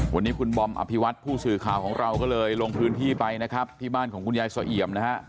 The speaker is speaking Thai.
วันนี้คุณบอมอภิวัตผู้สื่อข่าวของเราก็เลยลงพื้นที่ไปนะครับที่บ้านของคุณยายเสี่ยมนะฮะ